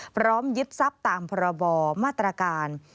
พร้อมยึดทรัพย์ตามประบอบมาตรการ